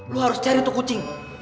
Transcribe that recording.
lu harus cari tuh kucing